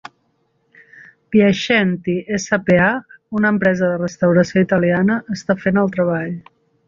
Piacenti S.p.A., una empresa de restauració italiana, està fent el treball.